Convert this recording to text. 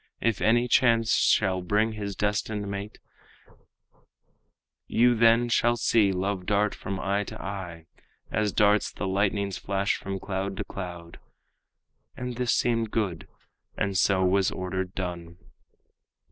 If any chance shall bring his destined mate, You then shall see love dart from eye to eye, As darts the lightning's flash from cloud to cloud." And this seemed good, and so was ordered done.